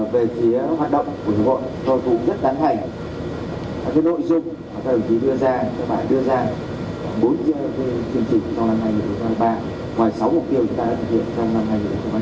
về phía hoạt động của hiệp hội tôi cũng rất đánh hành